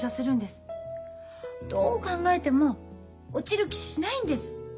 どう考えても落ちる気しないんです。